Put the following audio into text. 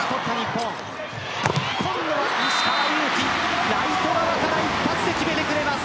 今度は石川祐希ライト側から一発で決めてくれます。